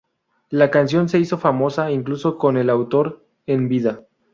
La canción se hizo famosa incluso con el autor en vida.